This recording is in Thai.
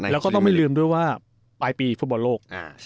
แล้วก็ต้องไม่ลืมด้วยว่าปลายปีฟุตบอลโลก